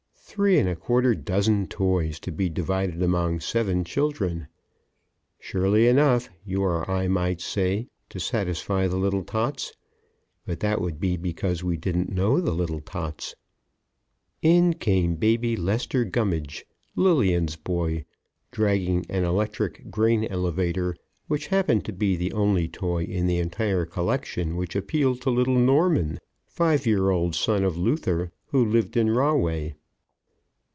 Three and a quarter dozen toys to be divided among seven children. Surely enough, you or I might say, to satisfy the little tots. But that would be because we didn't know the tots. In came Baby Lester Gummidge, Lillian's boy, dragging an electric grain elevator which happened to be the only toy in the entire collection which appealed to little Norman, five year old son of Luther, who lived in Rahway.